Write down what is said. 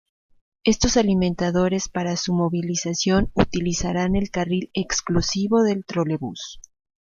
Estos alimentadores para su movilización utilizarán el carril exclusivo del Trolebús.